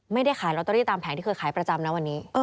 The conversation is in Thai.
ไม่ได้ขายลอตเตอรี่ตามแผงที่เคยขายประจำนะวันนี้